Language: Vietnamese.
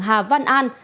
hà văn an